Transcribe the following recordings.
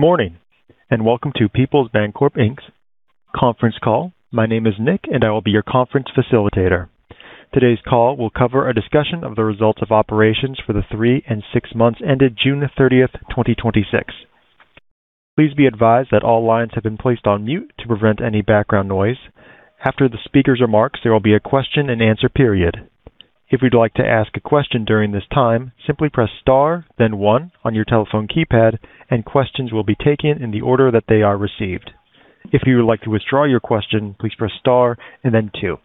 Morning, welcome to Peoples Bancorp Inc's conference call. My name is Nick, and I will be your conference facilitator. Today's call will cover a discussion of the results of operations for the three and six months ended June 30, 2026. Please be advised that all lines have been placed on mute to prevent any background noise. After the speakers' remarks, there will be a question-and-answer period. If you'd like to ask a question during this time, simply press star, then one on your telephone keypad, and questions will be taken in the order that they are received. If you would like to withdraw your question, please press star and then two.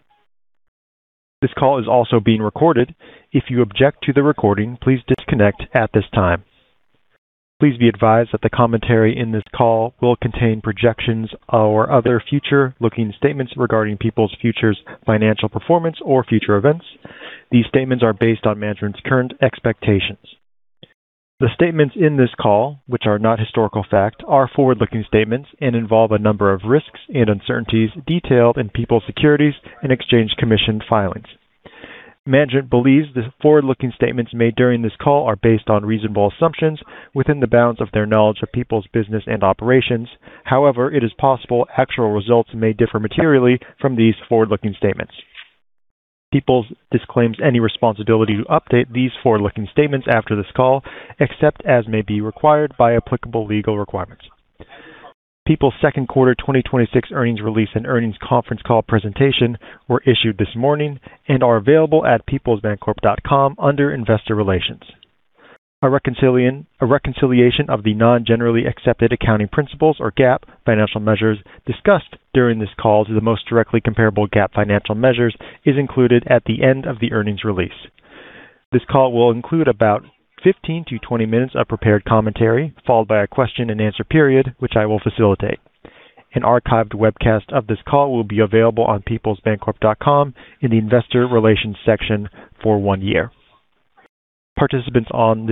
This call is also being recorded. If you object to the recording, please disconnect at this time. Please be advised that the commentary in this call will contain projections or other future-looking statements regarding Peoples' future financial performance or future events. These statements are based on management's current expectations. The statements in this call, which are not historical fact, are forward-looking statements and involve a number of risks and uncertainties detailed in Peoples' Securities and Exchange Commission filings. Management believes the forward-looking statements made during this call are based on reasonable assumptions within the bounds of their knowledge of Peoples' business and operations. It is possible actual results may differ materially from these forward-looking statements. Peoples disclaims any responsibility to update these forward-looking statements after this call, except as may be required by applicable legal requirements. Peoples' second quarter 2026 earnings release and earnings conference call presentation were issued this morning and are available at peoplesbancorp.com under Investor Relations. A reconciliation of the non-Generally Accepted Accounting Principles or GAAP financial measures discussed during this call to the most directly comparable GAAP financial measures is included at the end of the earnings release. This call will include about 15 to 20 minutes of prepared commentary, followed by a question-and-answer period, which I will facilitate. An archived webcast of this call will be available on peoplesbancorp.com in the investor relations section for one year. Participants on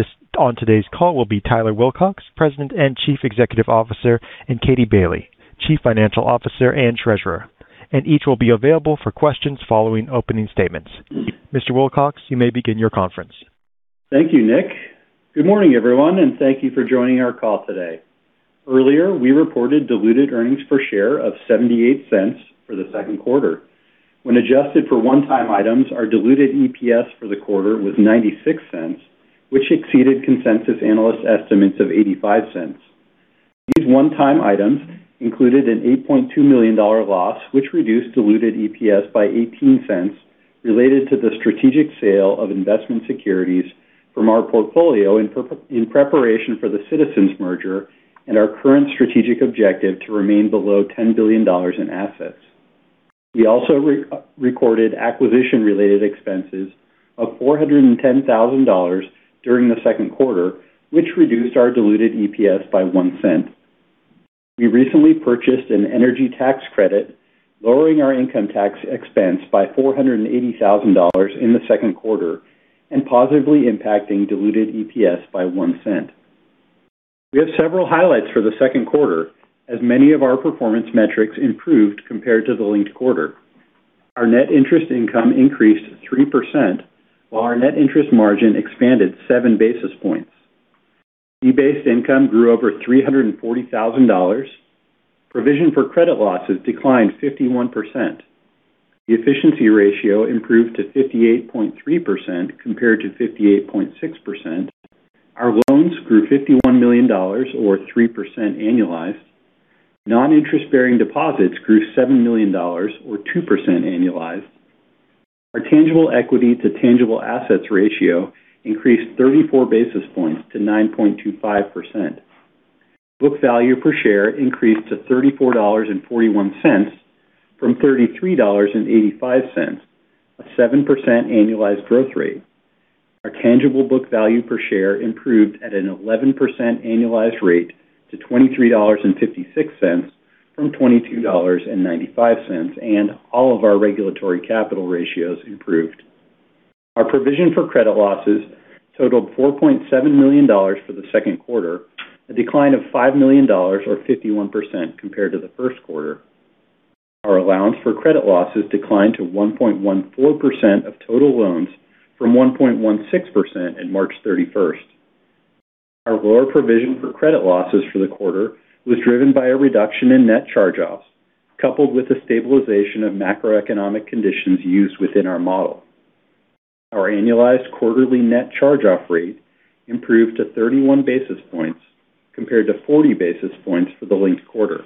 today's call will be Tyler Wilcox, President and Chief Executive Officer, and Katie Bailey, Chief Financial Officer and Treasurer, and each will be available for questions following opening statements. Mr. Wilcox, you may begin your conference. Thank you, Nick. Good morning, everyone, thank you for joining our call today. Earlier, we reported diluted earnings per share of $0.78 for the second quarter. When adjusted for one-time items, our diluted EPS for the quarter was $0.96, which exceeded consensus analyst estimates of $0.85. These one-time items included an $8.2 million loss, which reduced diluted EPS by $0.18 related to the strategic sale of investment securities from our portfolio in preparation for the Citizens merger and our current strategic objective to remain below $10 billion in assets. We also recorded acquisition-related expenses of $410,000 during the second quarter, which reduced our diluted EPS by $0.01. We recently purchased an energy tax credit, lowering our income tax expense by $480,000 in the second quarter and positively impacting diluted EPS by $0.01. We have several highlights for the second quarter, as many of our performance metrics improved compared to the linked quarter. Our net interest income increased 3%, while our net interest margin expanded 7 basis points. Fee-based income grew over $340,000. Provision for credit losses declined 51%. The efficiency ratio improved to 58.3% compared to 58.6%. Our loans grew $51 million, or 3% annualized. Non-interest-bearing deposits grew $7 million or 2% annualized. Our tangible equity to tangible assets ratio increased 34 basis points to 9.25%. Book value per share increased to $34.41 from $33.85, a 7% annualized growth rate. Our tangible book value per share improved at an 11% annualized rate to $23.56 from $22.95, and all of our regulatory capital ratios improved. Our provision for credit losses totaled $4.7 million for the second quarter, a decline of $5 million or 51% compared to the first quarter. Our allowance for credit losses declined to 1.14% of total loans from 1.16% in March 31st. Our lower provision for credit losses for the quarter was driven by a reduction in net charge-offs, coupled with a stabilization of macroeconomic conditions used within our model. Our annualized quarterly net charge-off rate improved to 31 basis points compared to 40 basis points for the linked quarter.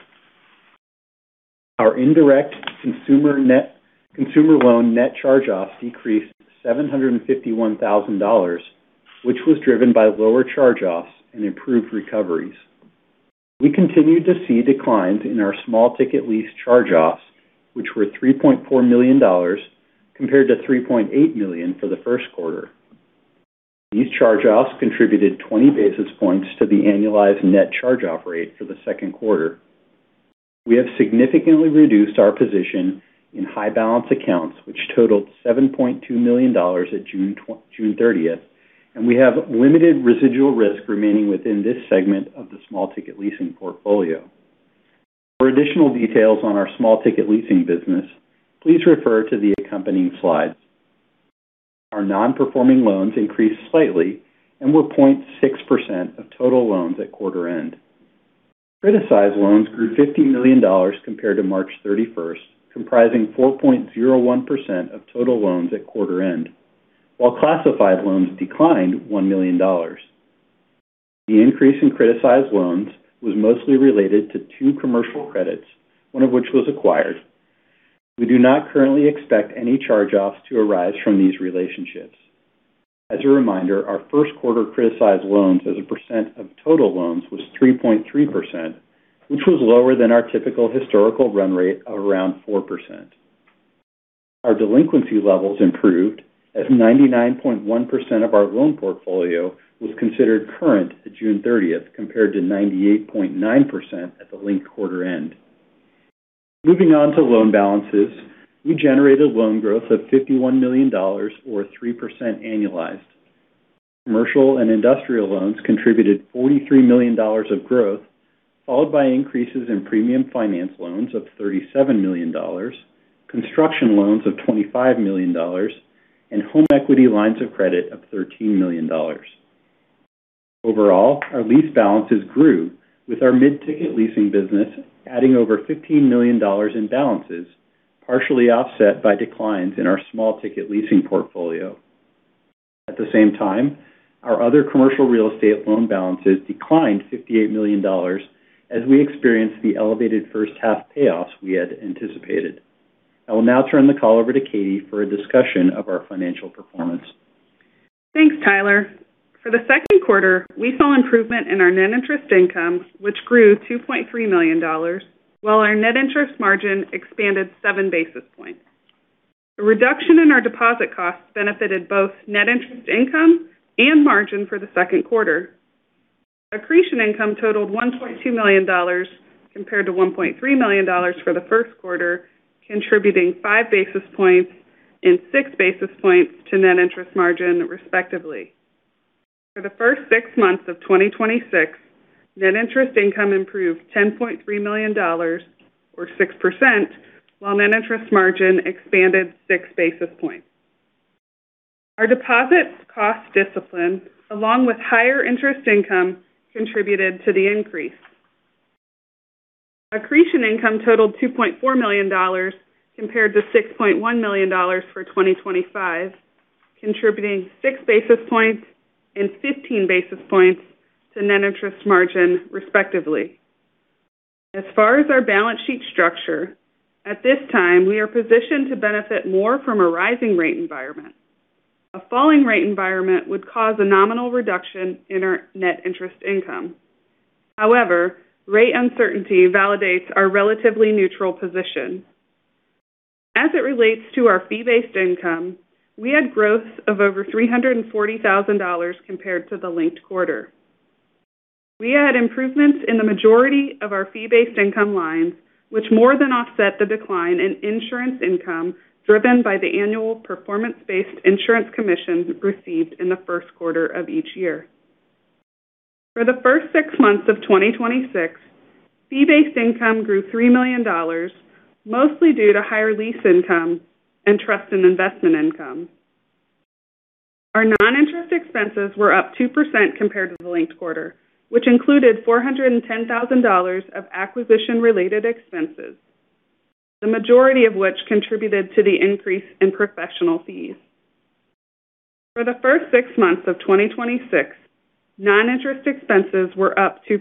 Our indirect consumer loan net charge-offs decreased $751,000, which was driven by lower charge-offs and improved recoveries. We continued to see declines in our small ticket lease charge-offs, which were $3.4 million compared to $3.8 million for the first quarter. These charge-offs contributed 20 basis points to the annualized net charge-off rate for the second quarter. We have significantly reduced our position in high balance accounts, which totaled $7.2 million at June 30th, and we have limited residual risk remaining within this segment of the small ticket leasing portfolio. For additional details on our small ticket leasing business, please refer to the accompanying slides. Our non-performing loans increased slightly and were 0.6% of total loans at quarter end. Criticized loans grew $50 million compared to March 31st, comprising 4.01% of total loans at quarter end, while classified loans declined $1 million. The increase in criticized loans was mostly related to two commercial credits, one of which was acquired. We do not currently expect any charge-offs to arise from these relationships. As a reminder, our first quarter criticized loans as a percent of total loans was 3.3%, which was lower than our typical historical run rate of around 4%. Our delinquency levels improved as 99.1% of our loan portfolio was considered current at June 30th, compared to 98.9% at the linked quarter end. Moving on to loan balances, we generated loan growth of $51 million, or 3% annualized. Commercial and industrial loans contributed $43 million of growth, followed by increases in premium finance loans of $37 million, construction loans of $25 million, and home equity lines of credit of $13 million. Overall, our lease balances grew with our mid-ticket leasing business adding over $15 million in balances, partially offset by declines in our small ticket leasing portfolio. At the same time, our other commercial real estate loan balances declined $58 million as we experienced the elevated first half payoffs we had anticipated. I will now turn the call over to Katie for a discussion of our financial performance. Thanks, Tyler. For the second quarter, we saw improvement in our net interest income, which grew $2.3 million, while our net interest margin expanded 7 basis points. A reduction in our deposit costs benefited both net interest income and margin for the second quarter. Accretion income totaled $1.2 million compared to $1.3 million for the first quarter, contributing 5 basis points and 6 basis points to net interest margin, respectively. For the first six months of 2026, net interest income improved $10.3 million, or 6%, while net interest margin expanded 6 basis points. Our deposits cost discipline, along with higher interest income, contributed to the increase. Accretion income totaled $2.4 million compared to $6.1 million for 2025, contributing 6 basis points and 15 basis points to net interest margin, respectively. As far as our balance sheet structure, at this time, we are positioned to benefit more from a rising rate environment. A falling rate environment would cause a nominal reduction in our net interest income. However, rate uncertainty validates our relatively neutral position. As it relates to our fee-based income, we had growth of over $340,000 compared to the linked quarter. We had improvements in the majority of our fee-based income lines, which more than offset the decline in insurance income driven by the annual performance-based insurance commissions received in the first quarter of each year. For the first six months of 2026, fee-based income grew $3 million, mostly due to higher lease income and trust and investment income. Our non-interest expenses were up 2% compared to the linked quarter, which included $410,000 of acquisition-related expenses. The majority of which contributed to the increase in professional fees. For the first six months of 2026, non-interest expenses were up 2%.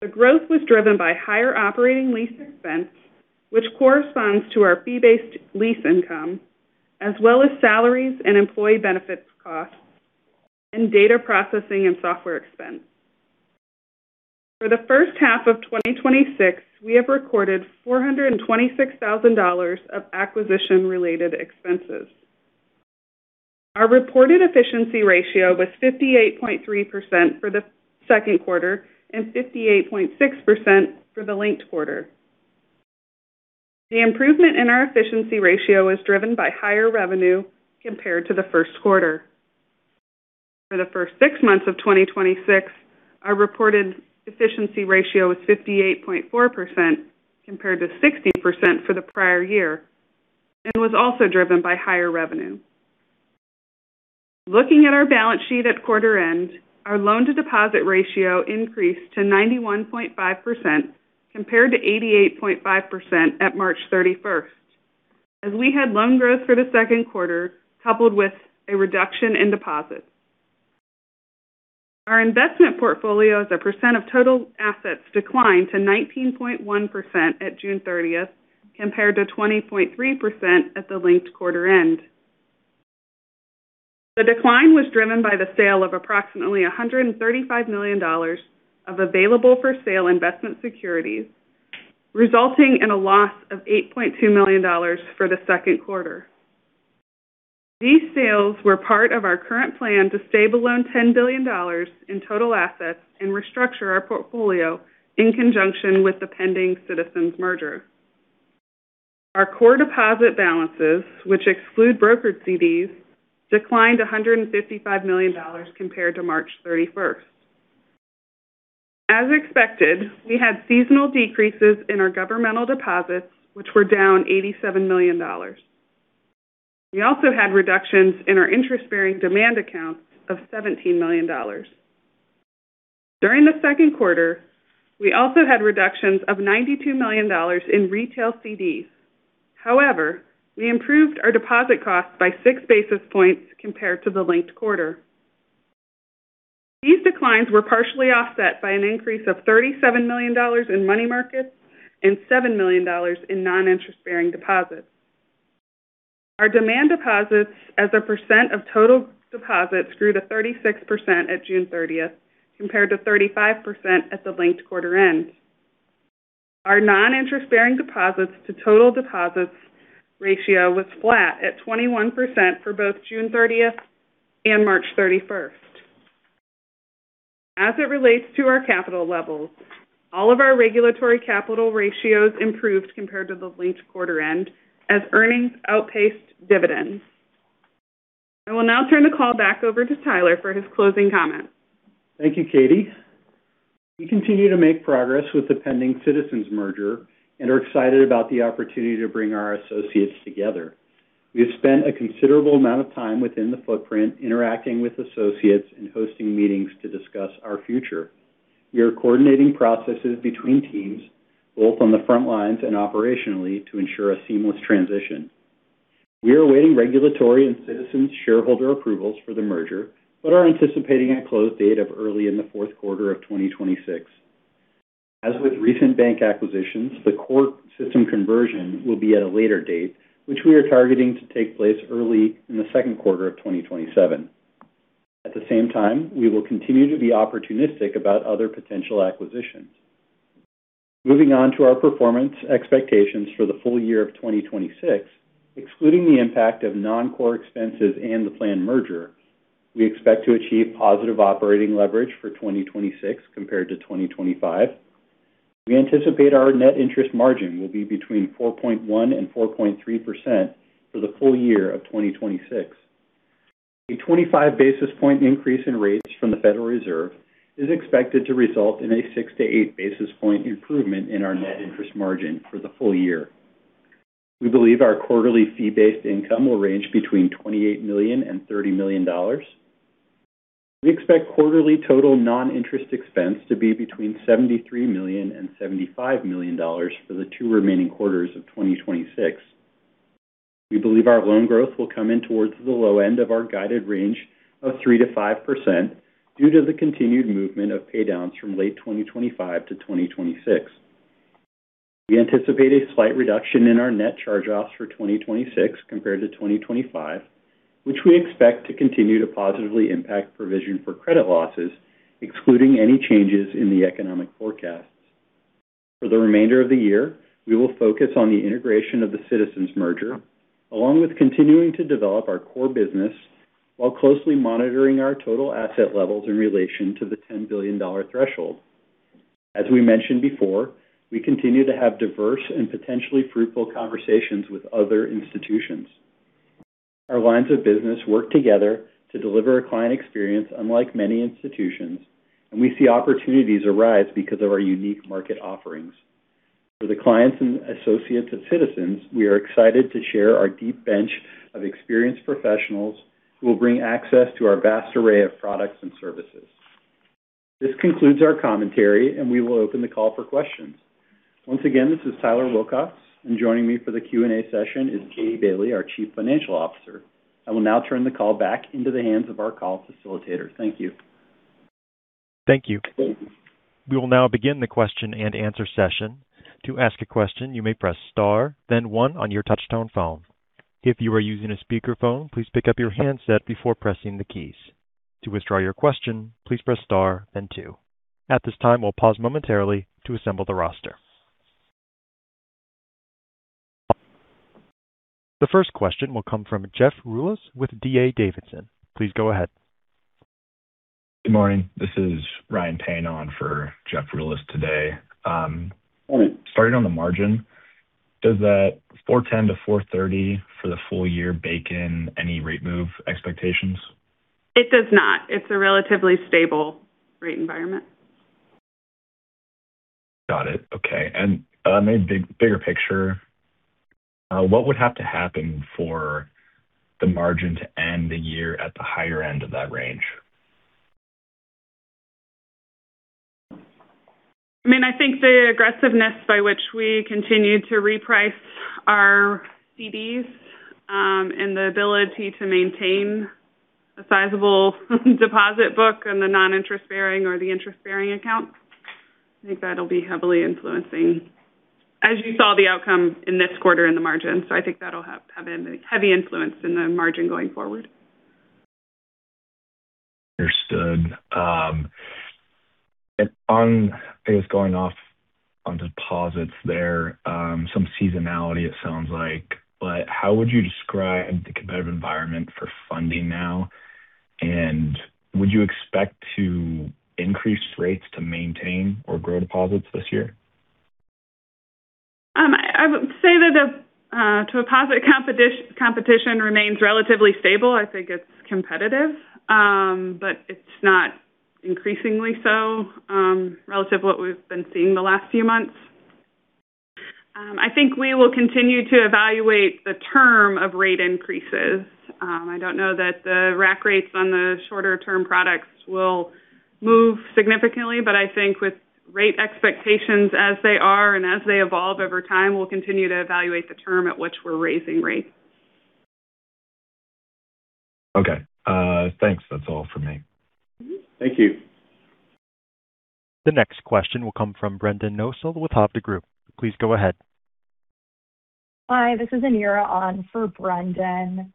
The growth was driven by higher operating lease expense, which corresponds to our fee-based lease income, as well as salaries and employee benefits costs, and data processing and software expense. For the first half of 2026, we have recorded $426,000 of acquisition-related expenses. Our reported efficiency ratio was 58.3% for the second quarter and 58.6% for the linked quarter. The improvement in our efficiency ratio was driven by higher revenue compared to the first quarter. For the first six months of 2026, our reported efficiency ratio was 58.4%, compared to 60% for the prior year, and was also driven by higher revenue. Looking at our balance sheet at quarter end, our loan to deposit ratio increased to 91.5%, compared to 88.5% at March 31st as we had loan growth for the second quarter, coupled with a reduction in deposits. Our investment portfolio as a percent of total assets declined to 19.1% at June 30th, compared to 20.3% at the linked quarter end. The decline was driven by the sale of approximately $135 million of available-for-sale investment securities, resulting in a loss of $8.2 million for the second quarter. These sales were part of our current plan to stay below $10 billion in total assets and restructure our portfolio in conjunction with the pending Citizens merger. Our core deposit balances, which exclude brokered CDs, declined $155 million compared to March 31st. As expected, we had seasonal decreases in our governmental deposits, which were down $87 million. We also had reductions in our interest-bearing demand accounts of $17 million. During the second quarter, we also had reductions of $92 million in retail CDs. However, we improved our deposit costs by 6 basis points compared to the linked quarter. These declines were partially offset by an increase of $37 million in money markets and $7 million in non-interest-bearing deposits. Our demand deposits as a percent of total deposits grew to 36% at June 30th, compared to 35% at the linked quarter end. Our non-interest-bearing deposits to total deposits ratio was flat at 21% for both June 30th and March 31st. As it relates to our capital levels, all of our regulatory capital ratios improved compared to the linked quarter end as earnings outpaced dividends. I will now turn the call back over to Tyler for his closing comments. Thank you, Katie. We continue to make progress with the pending Citizens merger and are excited about the opportunity to bring our associates together. We have spent a considerable amount of time within the footprint interacting with associates and hosting meetings to discuss our future. We are coordinating processes between teams, both on the front lines and operationally, to ensure a seamless transition. We are awaiting regulatory and Citizens shareholder approvals for the merger but are anticipating a close date of early in the fourth quarter of 2026. As with recent bank acquisitions, the core system conversion will be at a later date, which we are targeting to take place early in the second quarter of 2027. At the same time, we will continue to be opportunistic about other potential acquisitions. Moving on to our performance expectations for the full year of 2026, excluding the impact of non-core expenses and the planned merger, we expect to achieve positive operating leverage for 2026 compared to 2025. We anticipate our net interest margin will be between 4.1% and 4.3% for the full year of 2026. A 25-basis-point increase in rates from the Federal Reserve is expected to result in a six to 8 basis point improvement in our net interest margin for the full year. We believe our quarterly fee-based income will range between $28 million and $30 million. We expect quarterly total non-interest expense to be between $73 million and $75 million for the two remaining quarters of 2026. We believe our loan growth will come in towards the low end of our guided range of 3% to 5% due to the continued movement of paydowns from late 2025 to 2026. We anticipate a slight reduction in our net charge-offs for 2026 compared to 2025, which we expect to continue to positively impact provision for credit losses, excluding any changes in the economic forecasts. For the remainder of the year, we will focus on the integration of the Citizens merger, along with continuing to develop our core business while closely monitoring our total asset levels in relation to the $10 billion threshold. As we mentioned before, we continue to have diverse and potentially fruitful conversations with other institutions. Our lines of business work together to deliver a client experience unlike many institutions. We see opportunities arise because of our unique market offerings. For the clients and associates of Citizens, we are excited to share our deep bench of experienced professionals who will bring access to our vast array of products and services. This concludes our commentary, and we will open the call for questions. Once again, this is Tyler Wilcox, and joining me for the Q&A session is Katie Bailey, our Chief Financial Officer. I will now turn the call back into the hands of our call facilitator. Thank you. Thank you. We will now begin the question-and-answer session. To ask a question, you may press star then one on your touchtone phone. If you are using a speakerphone, please pick up your handset before pressing the keys. To withdraw your question, please press star then two. At this time, we'll pause momentarily to assemble the roster. The first question will come from Jeff Rulis with D.A. Davidson. Please go ahead. Good morning. This is Ryan Payne on for Jeff Rulis today. Morning. Starting on the margin, does that 4.10%-4.30% for the full year bake in any rate move expectations? It does not. It's a relatively stable rate environment. Got it. Okay. Maybe bigger picture, what would have to happen for the margin to end the year at the higher end of that range? I think the aggressiveness by which we continue to reprice our CDs, and the ability to maintain a sizable deposit book in the non-interest-bearing or the interest-bearing accounts. I think that'll be heavily influencing, as you saw the outcome in this quarter in the margin. I think that'll have a heavy influence in the margin going forward. Understood. I guess going off on deposits there, some seasonality it sounds like, but how would you describe the competitive environment for funding now, and would you expect to increase rates to maintain or grow deposits this year? I would say that the deposit competition remains relatively stable. I think it's competitive. It's not increasingly so relative to what we've been seeing the last few months. I think we will continue to evaluate the term of rate increases. I don't know that the rack rates on the shorter-term products will move significantly, but I think with rate expectations as they are and as they evolve over time, we'll continue to evaluate the term at which we're raising rates. Okay. Thanks. That's all for me. Thank you. The next question will come from Brendan Nosal with Hovde Group. Please go ahead. Hi, this is Anira on for Brendan.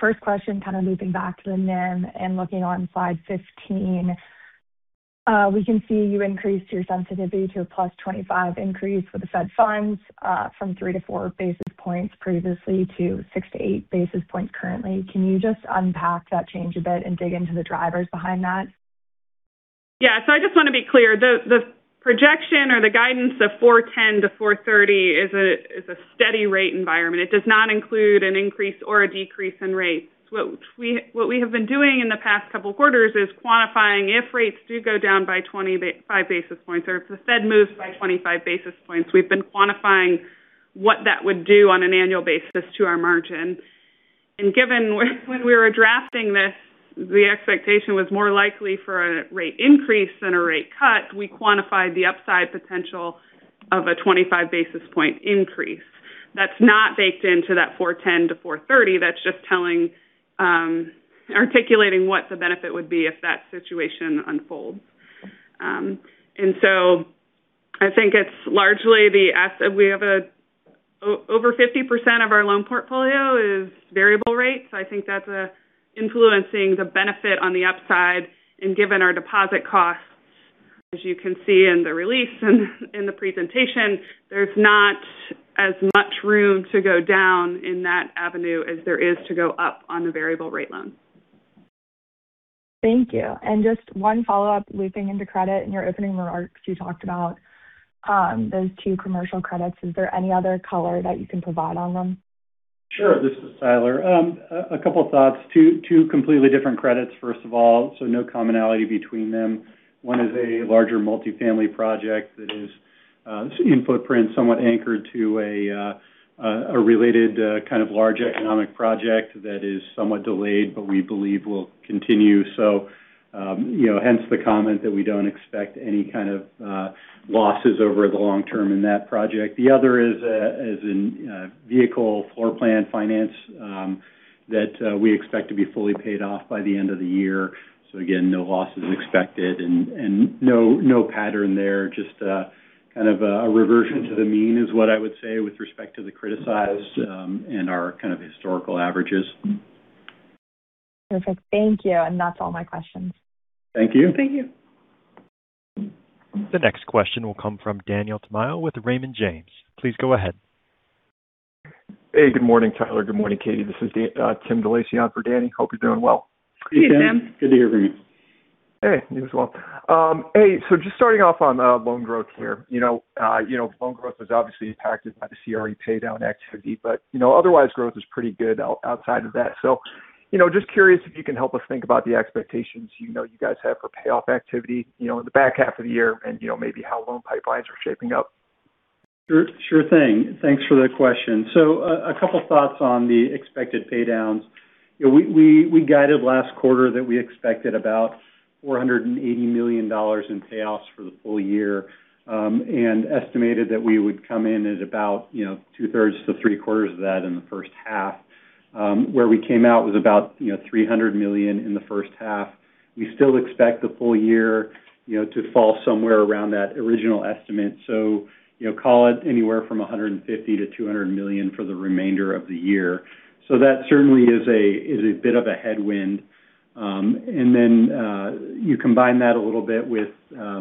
First question, kind of looping back to the NIM and looking on slide 15. We can see you increased your sensitivity to a plus 25 increase for the Fed funds from three to 4 basis points previously to 6 to 8 basis points currently. Can you just unpack that change a bit and dig into the drivers behind that? Yeah. I just want to be clear. The projection or the guidance of 410 to 430 is a steady rate environment. It does not include an increase or a decrease in rates. What we have been doing in the past couple of quarters is quantifying if rates do go down by 25 basis points, or if the Fed moves by 25 basis points, we've been quantifying what that would do on an annual basis to our margin. Given when we were drafting this, the expectation was more likely for a rate increase than a rate cut, we quantified the upside potential of a 25-basis-point increase. That's not baked into that 410 to 430. That's just articulating what the benefit would be if that situation unfolds. I think it's largely the asset. Over 50% of our loan portfolio is variable rate. I think that's influencing the benefit on the upside, and given our deposit costs, as you can see in the release and in the presentation, there's not as much room to go down in that avenue as there is to go up on the variable rate loans. Thank you. Just one follow-up looping into credit. In your opening remarks, you talked about those two commercial credits. Is there any other color that you can provide on them? Sure. This is Tyler. A couple of thoughts. Two completely different credits, first of all, no commonality between them. One is a larger multifamily project that is in footprint somewhat anchored to a related kind of large economic project that is somewhat delayed but we believe will continue. Hence the comment that we don't expect any kind of losses over the long term in that project. The other is a vehicle floor plan finance that we expect to be fully paid off by the end of the year. Again, no losses expected and no pattern there. Just kind of a reversion to the mean is what I would say with respect to the criticized and our kind of historical averages. Perfect. Thank you. That's all my questions. Thank you. Thank you. The next question will come from Daniel Tamayo with Raymond James. Please go ahead. Hey, good morning, Tyler. Good morning, Katie. This is Tim DeLacey for Danny. Hope you're doing well. Hey, Tim. Hey, Tim. Good to hear from you. Hey, you as well. Just starting off on loan growth here. Loan growth was obviously impacted by the CRE paydown activity, but otherwise growth is pretty good outside of that. Just curious if you can help us think about the expectations you guys have for payoff activity in the back half of the year and maybe how loan pipelines are shaping up. Sure thing. Thanks for the question. A couple thoughts on the expected paydowns. We guided last quarter that we expected about $480 million in payoffs for the full year and estimated that we would come in at about two-thirds to three-quarters of that in the first half. Where we came out was about $300 million in the first half. We still expect the full year to fall somewhere around that original estimate. Call it anywhere from $150 million-$200 million for the remainder of the year. That certainly is a bit of a headwind. You combine that a little bit with a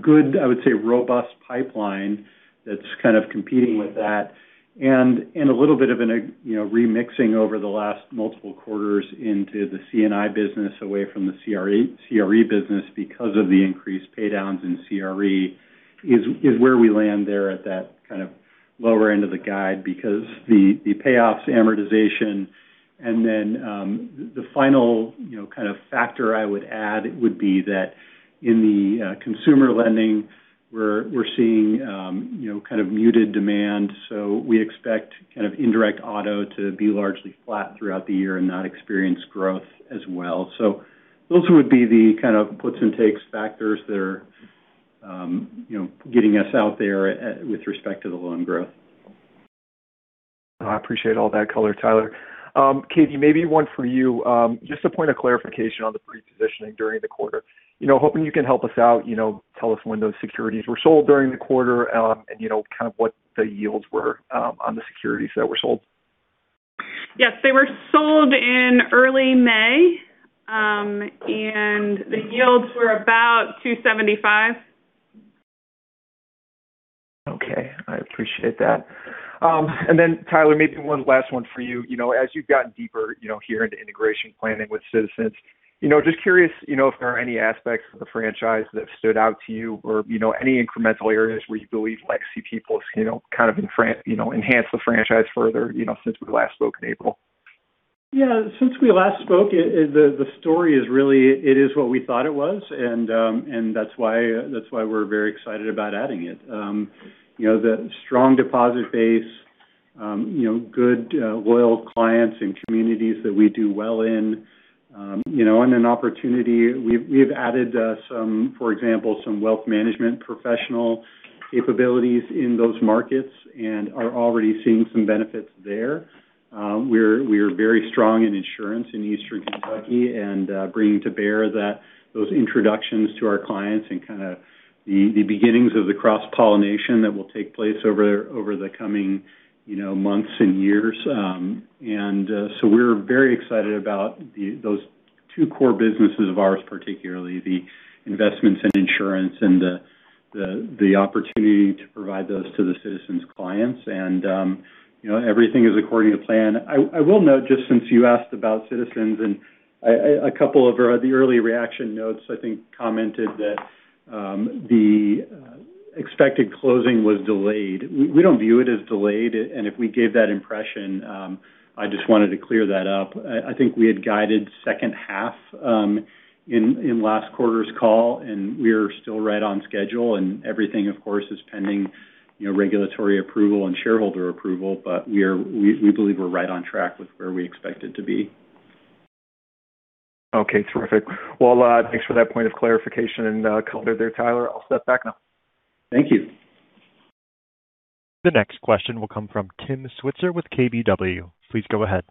good, I would say, robust pipeline that's kind of competing with that and a little bit of a remixing over the last multiple quarters into the C&I business away from the CRE business because of the increased paydowns in CRE is where we land there at that kind of lower end of the guide because the payoffs amortization. The final kind of factor I would add would be that in the consumer lending, we're seeing kind of muted demand. We expect kind of indirect auto to be largely flat throughout the year and not experience growth as well. Those would be the kind of puts-and-takes factors that are getting us out there with respect to the loan growth. I appreciate all that color, Tyler. Katie, maybe one for you. Just a point of clarification on the prepositioning during the quarter. Hoping you can help us out, tell us when those securities were sold during the quarter, and kind of what the yields were on the securities that were sold. Yes, they were sold in early May. The yields were about 275. Okay. I appreciate that. Then Tyler, maybe one last one for you. As you've gotten deeper here into integration planning with Citizens, just curious if there are any aspects of the franchise that have stood out to you or any incremental areas where you believe Peoples kind of enhance the franchise further since we last spoke in April? Yeah. Since we last spoke, the story is really, it is what we thought it was. That's why we're very excited about adding it. The strong deposit base, good, loyal clients and communities that we do well in, and an opportunity. We've added, for example, some wealth management professional capabilities in those markets and are already seeing some benefits there. We're very strong in insurance in Eastern Kentucky and bringing to bear those introductions to our clients and kind of the beginnings of the cross-pollination that will take place over the coming months and years. So we're very excited about those two core businesses of ours, particularly the investments in insurance and the opportunity to provide those to the Citizens clients. Everything is according to plan. I will note, just since you asked about Citizens and a couple of the early reaction notes, I think commented that the expected closing was delayed. We don't view it as delayed, and if we gave that impression, I just wanted to clear that up. I think we had guided second half in last quarter's call. We are still right on schedule and everything, of course, is pending regulatory approval and shareholder approval. We believe we're right on track with where we expect it to be. Okay, terrific. Well, thanks for that point of clarification and color there, Tyler. I'll step back now. Thank you. The next question will come from Tim Switzer with KBW. Please go ahead.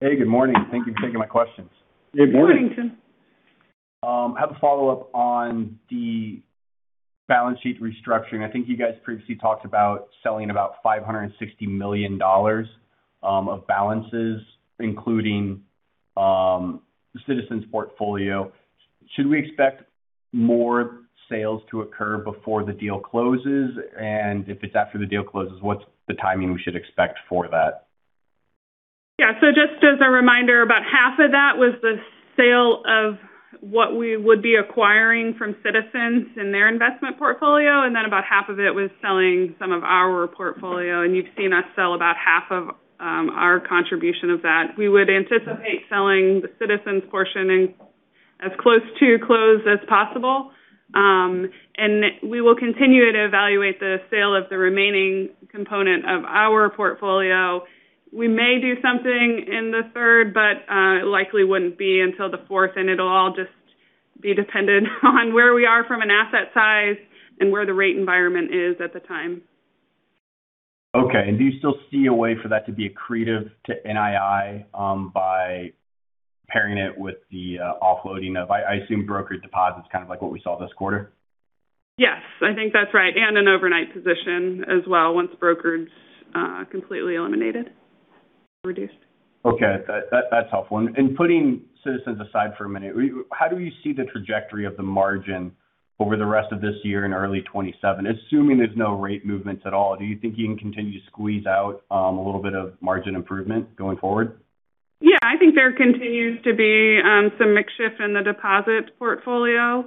Hey, good morning. Thank you for taking my questions. Hey, good morning. Good morning, Tim. I have a follow-up on the balance sheet restructuring. I think you guys previously talked about selling about $560 million of balances, including Citizens portfolio. Should we expect more sales to occur before the deal closes? If it's after the deal closes, what's the timing we should expect for that? Just as a reminder, about half of that was the sale of what we would be acquiring from Citizens in their investment portfolio, and then about half of it was selling some of our portfolio, and you've seen us sell about half of our contribution of that. We would anticipate selling the Citizens portion as close to close as possible. We will continue to evaluate the sale of the remaining component of our portfolio. We may do something in the third, but it likely wouldn't be until the fourth, and it'll all just be dependent on where we are from an asset size and where the rate environment is at the time. Okay. Do you still see a way for that to be accretive to NII by pairing it with the offloading of, I assume brokered deposits, kind of like what we saw this quarter? Yes. I think that's right. An overnight position as well, once brokered's completely eliminated or reduced. Okay. That's helpful. Putting Citizens aside for a minute, how do you see the trajectory of the margin over the rest of this year and early 2027? Assuming there's no rate movements at all, do you think you can continue to squeeze out a little bit of margin improvement going forward? Yeah, I think there continues to be some mix shift in the deposit portfolio.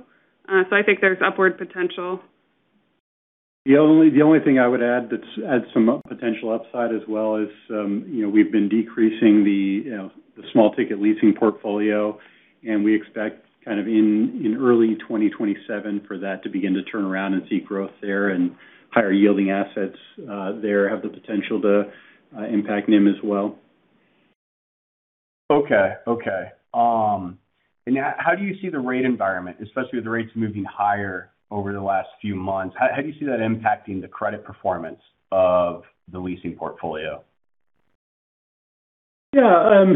I think there's upward potential. The only thing I would add that's had some potential upside as well is we've been decreasing the small ticket leasing portfolio. We expect kind of in early 2027 for that to begin to turn around and see growth there and higher yielding assets there have the potential to impact NIM as well. Okay. How do you see the rate environment, especially with the rates moving higher over the last few months? How do you see that impacting the credit performance of the leasing portfolio? Yeah.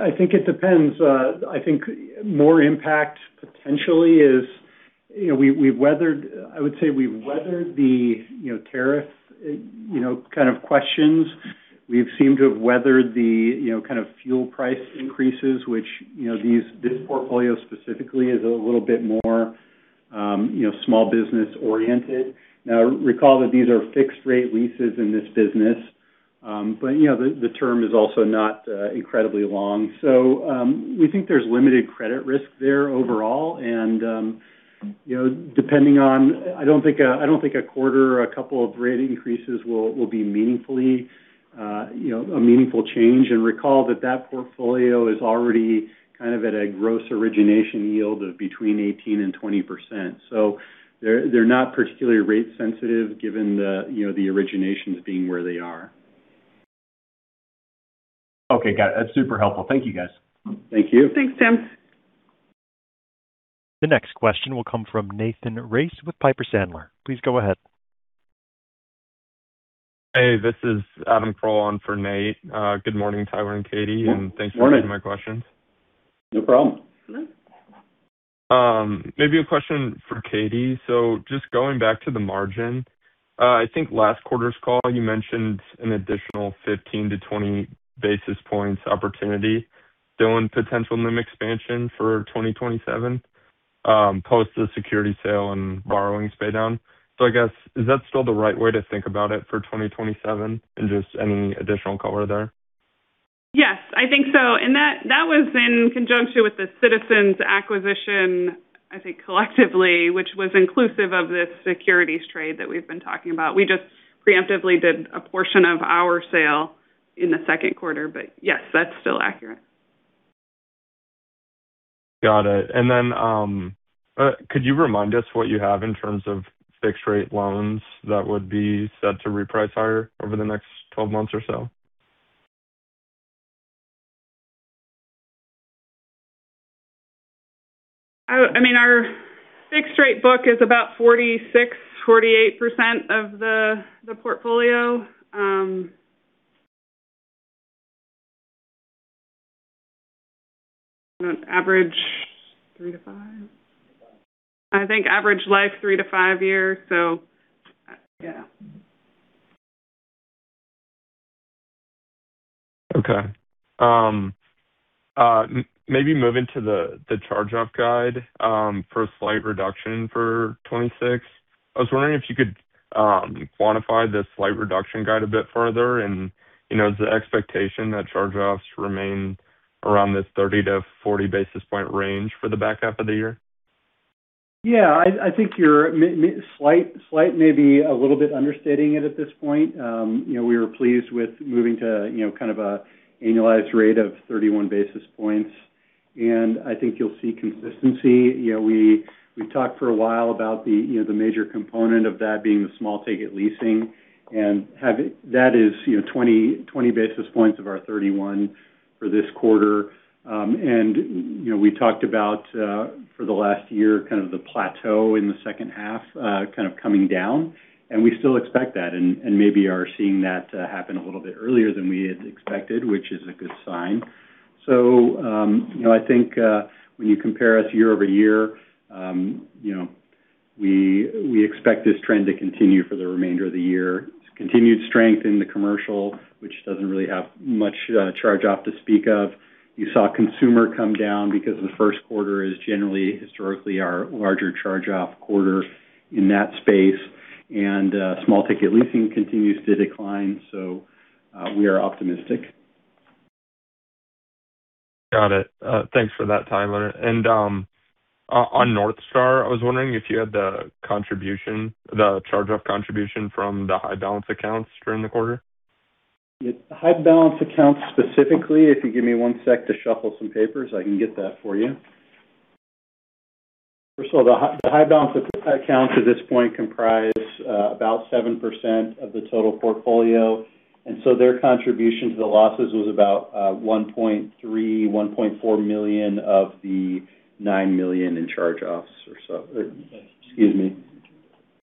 I think it depends. I think more impact potentially is we've weathered, I would say we've weathered the tariff kind of questions. We've seemed to have weathered the kind of fuel price increases, which this portfolio specifically is a little bit more small business oriented. Now recall that these are fixed rate leases in this business. The term is also not incredibly long. We think there's limited credit risk there overall. I don't think a quarter or a couple of rate increases will be a meaningful change. Recall that that portfolio is already kind of at a gross origination yield of between 18% and 20%. They're not particularly rate sensitive given the originations being where they are. Okay, got it. That's super helpful. Thank you, guys. Thank you. Thanks, Tim. The next question will come from Nathan Race with Piper Sandler. Please go ahead. Hey, this is Adam Kroll on for Nate. Good morning, Tyler and Katie. Good morning. Thanks for taking my questions. No problem. Hello. Maybe a question for Katie. Just going back to the margin, I think last quarter's call, you mentioned an additional 15 to 20 basis points opportunity still in potential NIM expansion for 2027 post the security sale and borrowings pay down. I guess, is that still the right way to think about it for 2027? Just any additional color there? Yes, I think so. That was in conjunction with the Citizens acquisition, I think, collectively, which was inclusive of this securities trade that we've been talking about. We just preemptively did a portion of our sale in the second quarter. Yes, that's still accurate. Got it. Could you remind us what you have in terms of fixed rate loans that would be set to reprice higher over the next 12 months or so? Our fixed rate book is about 46%-48% of the portfolio. Average three to five? I think average life three to five years. Okay. Maybe moving to the charge-off guide for a slight reduction for 2026. I was wondering if you could quantify the slight reduction guide a bit further. Is the expectation that charge-offs remain around this 30 to 40 basis points range for the back half of the year? Yeah, I think your slight may be a little bit understating it at this point. We were pleased with moving to kind of an annualized rate of 31 basis points. I think you'll see consistency. We talked for a while about the major component of that being the small ticket leasing, and that is 20 basis points of our 31 for this quarter. We talked about for the last year, kind of the plateau in the second half kind of coming down, and we still expect that, and maybe are seeing that happen a little bit earlier than we had expected, which is a good sign. I think when you compare us year-over-year we expect this trend to continue for the remainder of the year. Continued strength in the commercial, which doesn't really have much charge-off to speak of. You saw consumer come down because the first quarter is generally, historically our larger charge-off quarter in that space. Small ticket leasing continues to decline, so we are optimistic. Got it. Thanks for that, Tyler. On North Star, I was wondering if you had the charge-off contribution from the high balance accounts during the quarter. High balance accounts specifically, if you give me one sec to shuffle some papers, I can get that for you. First of all, the high balance accounts at this point comprise about 7% of the total portfolio. Their contribution to the losses was about $1.3 million-$1.4 million of the $9 million in charge-offs or so. Excuse me.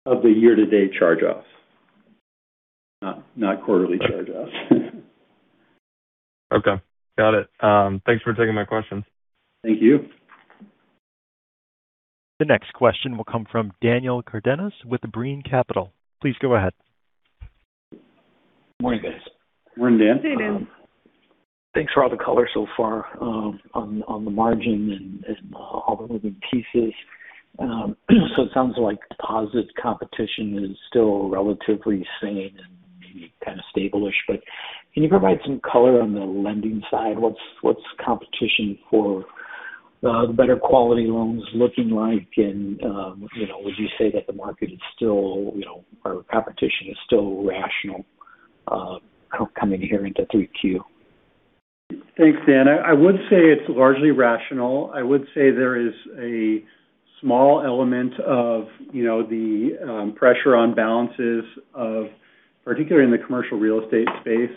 Of the year-to-date charge-offs, not quarterly charge-offs. Okay. Got it. Thanks for taking my questions. Thank you. The next question will come from Daniel Cardenas with Brean Capital. Please go ahead. Morning, guys. Morning, Dan. Hey, Dan. Thanks for all the color so far on the margin and all the moving pieces. It sounds like deposit competition is still relatively sane and maybe kind of stable-ish, but can you provide some color on the lending side? What's competition for the better quality loans looking like? Would you say that the market is still, or competition is still rational coming here into three Q? Thanks, Dan. I would say it's largely rational. I would say there is a small element of the pressure on balances of, particularly in the commercial real estate space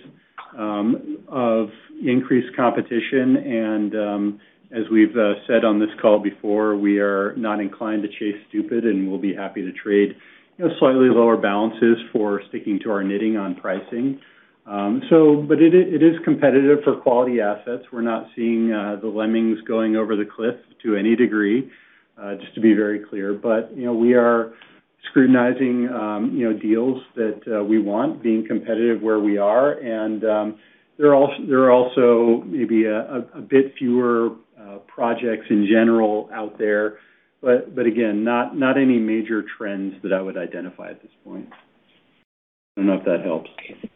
of increased competition. As we've said on this call before, we are not inclined to chase stupid, and we'll be happy to trade slightly lower balances for sticking to our knitting on pricing. It is competitive for quality assets. We're not seeing the lemmings going over the cliff to any degree, just to be very clear. We are scrutinizing deals that we want, being competitive where we are. There are also maybe a bit fewer projects in general out there. Again, not any major trends that I would identify at this point. I don't know if that helps. Very helpful.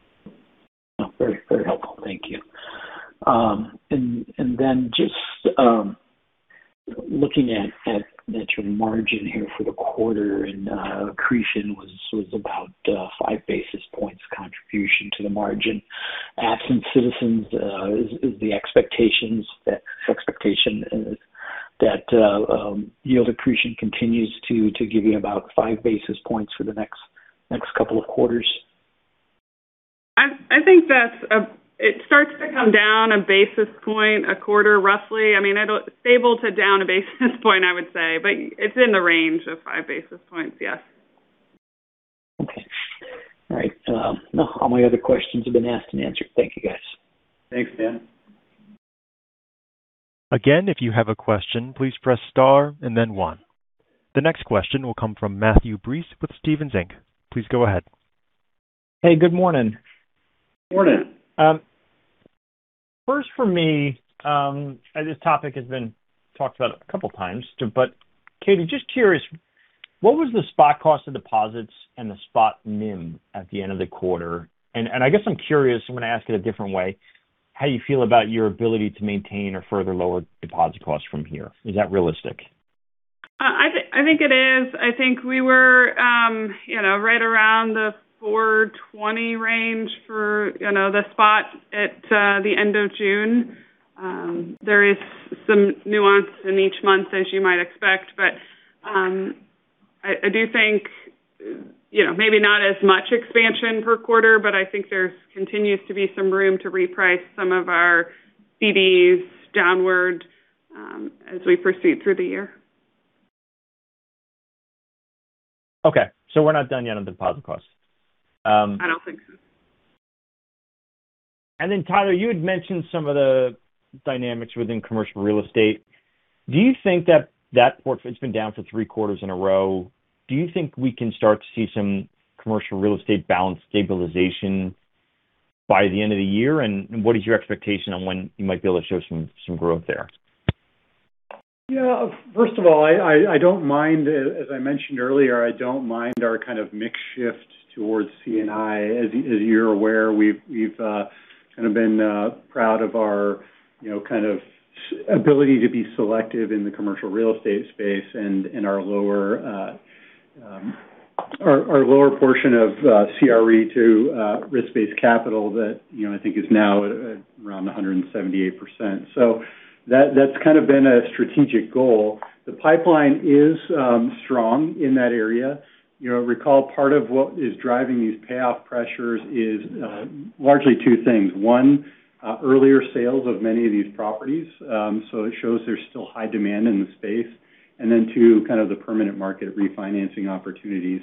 Thank you. Just looking at your margin here for the quarter and accretion was about 5 basis points contribution to the margin. Absent Citizens is the expectation that yield accretion continues to give you about 5 basis points for the next couple of quarters? I think it starts to come down a basis point a quarter, roughly. I mean, stable to down a basis point I would say. It's in the range of 5 basis points. Yes. Okay. All right. All my other questions have been asked and answered. Thank you, guys. Thanks, Dan. Again, if you have a question, please press star and then one. The next question will come from Matthew Breese with Stephens Inc. Please go ahead. Hey, good morning. Morning. First for me, this topic has been talked about a couple times, but Katie, just curious, what was the spot cost of deposits and the spot NIM at the end of the quarter? I guess I'm curious, I'm going to ask it a different way, how you feel about your ability to maintain or further lower deposit costs from here. Is that realistic? I think it is. I think we were right around the 420 range for the spot at the end of June. There is some nuance in each month, as you might expect. I do think maybe not as much expansion per quarter, I think there continues to be some room to reprice some of our CDs downward as we proceed through the year. Okay. We're not done yet on deposit costs. I don't think so. Tyler, you had mentioned some of the dynamics within commercial real estate. It's been down for three quarters in a row. Do you think we can start to see some commercial real estate balance stabilization by the end of the year, and what is your expectation on when you might be able to show some growth there? Yeah. First of all, as I mentioned earlier, I don't mind our kind of mix shift towards C&I. As you're aware, we've kind of been proud of our ability to be selective in the commercial real estate space and our lower portion of CRE to risk-based capital that I think is now around 178%. That's kind of been a strategic goal. The pipeline is strong in that area. Recall part of what is driving these payoff pressures is largely two things. One, earlier sales of many of these properties. It shows there's still high demand in the space. Two, kind of the permanent market refinancing opportunities.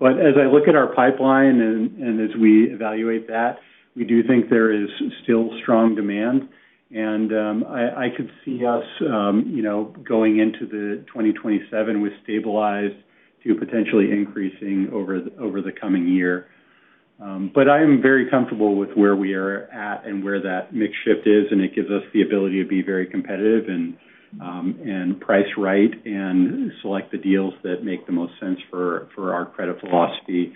As I look at our pipeline and as we evaluate that, we do think there is still strong demand. I could see us going into the 2027 with stabilized to potentially increasing over the coming year. I am very comfortable with where we are at and where that mix shift is, and it gives us the ability to be very competitive and price right and select the deals that make the most sense for our credit philosophy,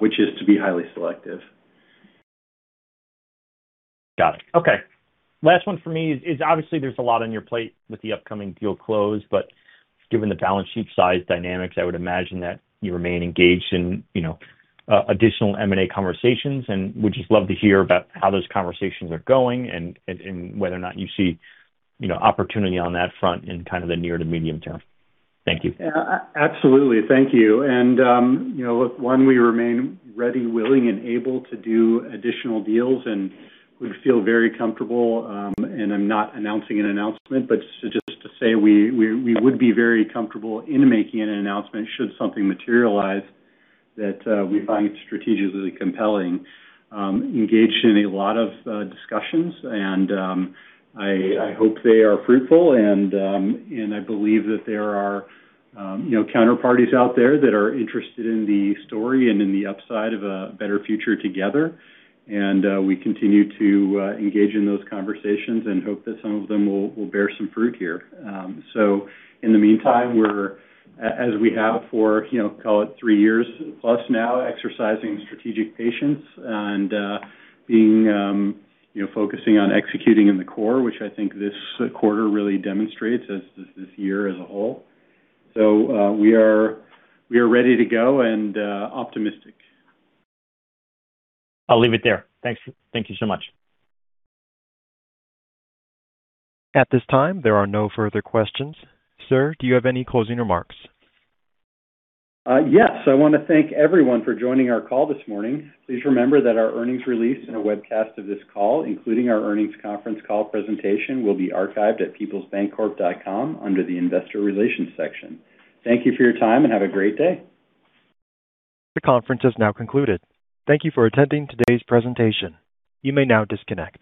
which is to be highly selective. Got it. Okay. Last one for me is, obviously there's a lot on your plate with the upcoming deal close, given the balance sheet size dynamics, I would imagine that you remain engaged in additional M&A conversations. Would just love to hear about how those conversations are going and whether or not you see opportunity on that front in kind of the near to medium term. Thank you. Absolutely. Thank you. One, we remain ready, willing, and able to do additional deals, and we feel very comfortable. I'm not announcing an announcement, but just to say we would be very comfortable in making an announcement should something materialize that we find strategically compelling. Engaged in a lot of discussions, I hope they are fruitful. I believe that there are counterparties out there that are interested in the story and in the upside of a better future together. We continue to engage in those conversations and hope that some of them will bear some fruit here. In the meantime, as we have for call it three years plus now, exercising strategic patience and focusing on executing in the core, which I think this quarter really demonstrates as this year as a whole. We are ready to go and optimistic. I'll leave it there. Thanks. Thank you so much. At this time, there are no further questions. Sir, do you have any closing remarks? Yes. I want to thank everyone for joining our call this morning. Please remember that our earnings release and a webcast of this call, including our earnings conference call presentation, will be archived at peoplesbancorp.com under the investor relations section. Thank you for your time and have a great day. The conference has now concluded. Thank you for attending today's presentation. You may now disconnect.